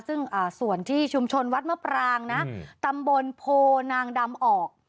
ซึ่งส่วนที่ชุมชนวัดมะปรางนะตำบลโพนางดำออก